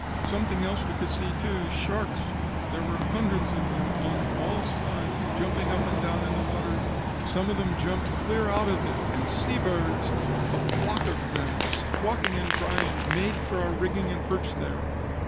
"Something else we could see, too. Sharks! There were hundreds of them on all sides, jumping up and down in the water. Some of them jumped clear out of it. And sea birds! A flock of them, squawking and crying, made for our rigging and perched there.